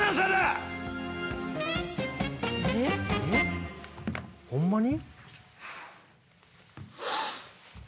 えっ？ホンマに？